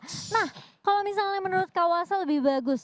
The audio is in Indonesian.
nah kalau misalnya menurut kak wasa lebih bagus